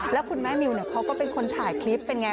แล้วคุณแม่นิวเขาก็เป็นคนถ่ายคลิปเป็นไง